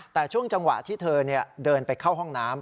แต่ช่วงจังหวะที่เธอเดินไปเข้าห้องน้ำ